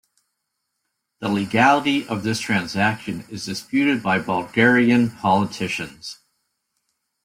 The legality of this transaction is disputed by Bulgarian politicians.